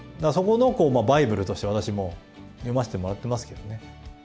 そこのバイブルとして私も読ませてもらってますけどね。